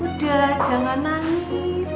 udah jangan nangis